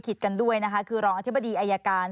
กันด้วยนะคะคือรองอธิบดีอายการ